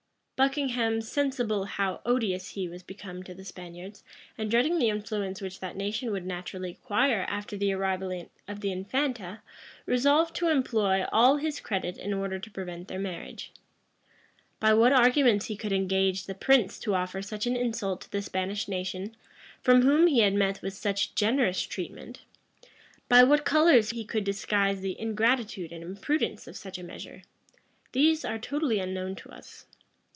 [*] Buckingham, sensible how odious he was become to the Spaniards, and dreading the influence which that nation would naturally acquire after the arrival of the infanta, resolved to employ all his credit in order to prevent the marriage, By what arguments he could engage the prince to offer such an insult to the Spanish nation, from whom he had met with such generous treatment; by what colors he could disguise the ingratitude and imprudence of such a measure; these are totally unknown to us.